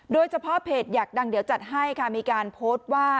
โดยเฉพาะเพจอยากดังเดี๋ยวจัดให้ค่ะมีการโพสต์ว่า